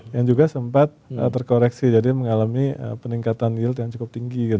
yang juga sempat terkoreksi jadi mengalami peningkatan yield yang cukup tinggi